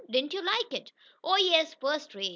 Didn't you like it?" "Oh, yes, first rate.